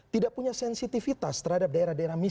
tidak punya sensitivitas terhadap daerah daerah